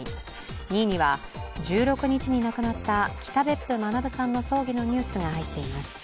２位には、１６日に亡くなった北別府学さんの葬儀のニュースが入っています。